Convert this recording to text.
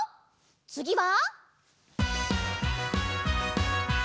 つぎは。